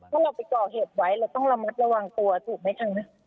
ถ้าเราไปก่อเหตุไว้เราต้องระมัดระวังตัวถูกไหมคะ